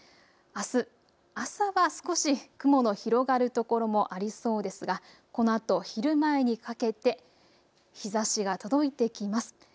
あす朝は少し雲の広がる所もありそうですがこのあと昼前にかけて日ざしが届いてきます。